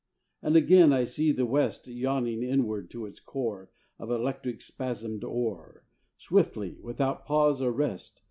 And again I see the west Yawning inward to its core Of electric spasmed ore, Swiftly, without pause or rest.